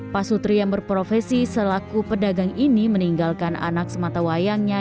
pasutri yang berprofesi selaku pedagang ini meninggalkan anak sematawayangnya